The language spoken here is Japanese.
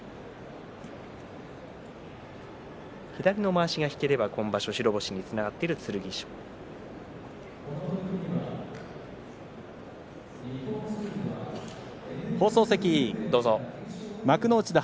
左のまわしが引ければ今場所白星につながっている剣翔です。